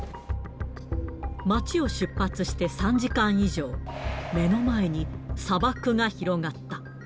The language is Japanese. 街を出発して３時間以上、目の前に砂漠が広がった。